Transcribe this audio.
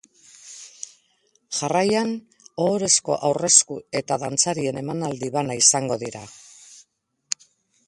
Jarraian, ohorezko aurresku eta dantzarien emanaldi bana izango dira.